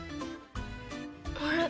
あれ？